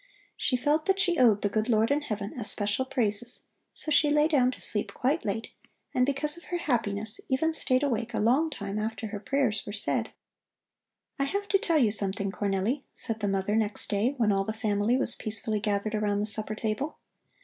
She felt that she owed the good Lord in Heaven especial praises, so she lay down to sleep quite late, and because of her happiness, even stayed awake a long time after her prayers were said. "I have to tell you something, Cornelli," said the mother next day, when all the family was peacefully gathered around the supper table.